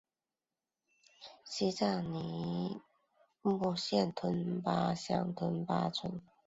西藏尼木县吞巴乡吞巴村是原料柏树泥的生产基地。